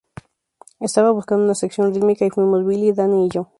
Estaba buscando una sección rítmica, y fuimos Billy, Danny y yo".